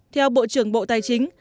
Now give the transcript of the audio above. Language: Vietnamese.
theo bộ trưởng bộ tài chính